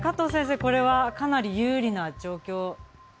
これはかなり有利な状況ですよね？